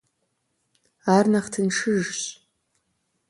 Ар нэхъ тыншыжщ.